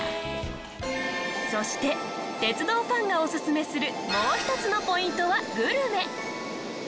そして鉄道ファンがオススメするもう一つのポイントはグルメ。